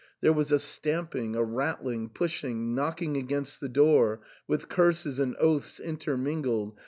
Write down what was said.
There was a stamping — a rattling — pushing — knocking against the door, with curses and oaths intermingled.